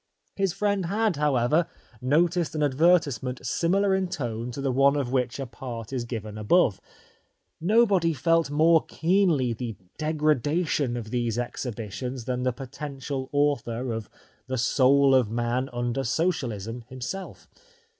His friend, had, however, noticed an advertisement similar in tone to the one of which a part is given above. Nobody felt more keenly the de gradation of these exhibitions than the potential author of ''The Soul of Man Under Socialism" himself.